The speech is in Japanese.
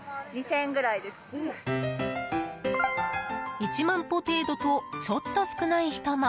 １万歩程度とちょっと少ない人も。